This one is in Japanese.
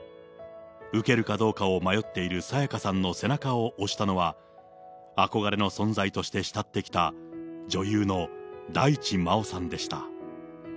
受けるかどうかを迷っている沙也加さんの背中を押したのは、憧れの存在として慕ってきた女優の大地真央さんでした。